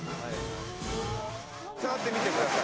触ってみてください。